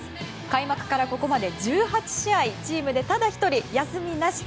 開幕からここまで１８試合チームで、ただ一人休みなし。